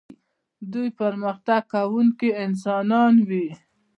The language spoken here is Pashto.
دوی پرمختګ کوونکي انسانان وي.